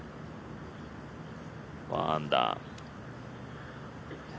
１アンダー。